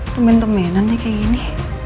temen temenannya kayak gini